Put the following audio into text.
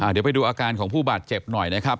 เดี๋ยวไปดูอาการของผู้บาดเจ็บหน่อยนะครับ